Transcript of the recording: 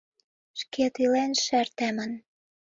Шкет илен шер темын.